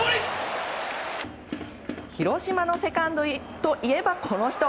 広島のセカンドといえばこの人。